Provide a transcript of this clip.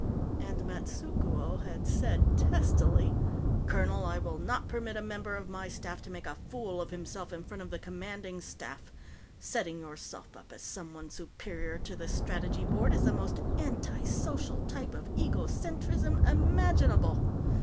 And Matsukuo had said, testily: "Colonel, I will not permit a member of my staff to make a fool of himself in front of the Commanding Staff. Setting yourself up as someone superior to the Strategy Board is the most antisocial type of egocentrism imaginable.